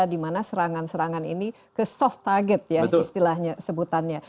dimana serangan serangan ini ke soft target ya istilahnya sebutannya